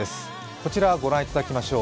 こちら、ご覧いただきましょう。